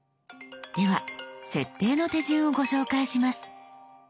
では設定の手順をご紹介します。